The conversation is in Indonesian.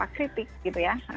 kritik gitu ya